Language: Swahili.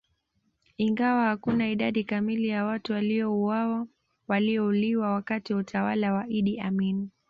Ingawa hakuna idadi kamili ya watu waliouliwa wakati wa utawala wa Idi Amin